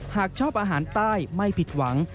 หากชอบอาหารใต้ไม่ผิดหวัง